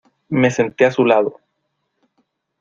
Me senté a su lado.